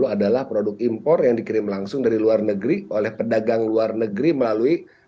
adalah produk impor yang dikirim langsung dari luar negeri oleh pedagang luar negeri melalui